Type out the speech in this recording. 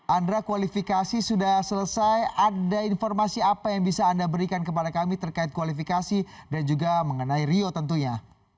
andra kualifikasi sudah selesai ada informasi apa yang bisa anda berikan kepada kami terkait kualifikasi dan juga mengenai rio tentunya